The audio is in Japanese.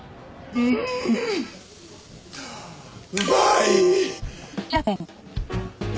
うまい！